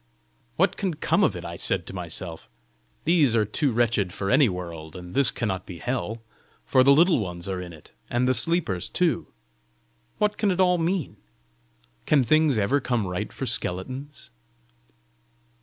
"What can come of it?" I said to myself. "These are too wretched for any world, and this cannot be hell, for the Little Ones are in it, and the sleepers too! What can it all mean? Can things ever come right for skeletons?"